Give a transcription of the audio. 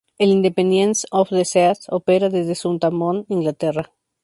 El "Independence of the Seas" opera desde Southampton, Inglaterra.